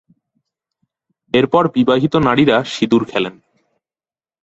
এর পর বিবাহিত নারীরা সিঁদুর খেলেন।